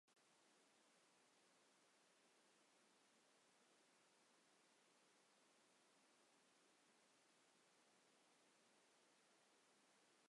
পেশাদার সরঞ্জামগুলি অনুপস্থিত থাকাকালীন নির্মাতারা এটিকে একটি সর্বশেষ অবলম্বন ডিভাইস হিসাবে বর্ণনা করে।